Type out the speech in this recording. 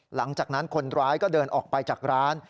หลังจากนั้นคนร้ายก็เดินออกไปจากร้าน